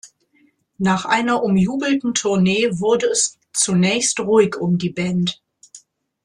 Nach einer umjubelten Tournee wurde es zunächst ruhig um die Band.